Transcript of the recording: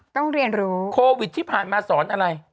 ต้องเรียนรู้โควิดที่ผ่านมาสอนอะไร